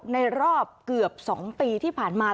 ในรอบเกือบ๒ปีที่ผ่านมา